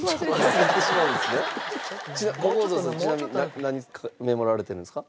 小公造さんちなみに何メモられてるんですか？